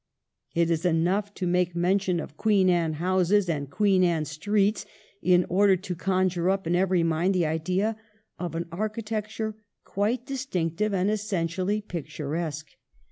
It is enough to make mention of Queen Anne houses and Queen Anne streets in order to conjure up in every mind the idea of an architecture quite distinctive and essentially picturesque.